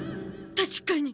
確かに。